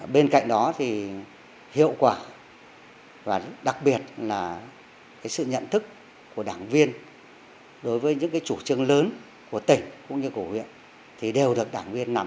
bên cạnh đó thì hiệu quả và đặc biệt là sự nhận thức của đảng viên đối với những chủ trương lớn của tỉnh cũng như của huyện thì đều được đảng viên nắm